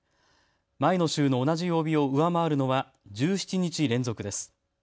前の週の同じ曜日を上回るのは１７日連続です。